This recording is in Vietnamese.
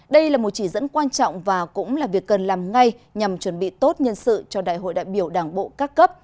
đây là một chỉ dẫn quan trọng và cũng là việc cần làm ngay nhằm chuẩn bị tốt nhân sự cho đại hội đại biểu đảng bộ các cấp